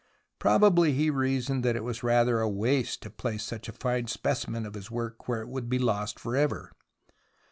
Probably he reasoned that it was rather a waste to place such a fine specimen of his work where it would be lost for ever.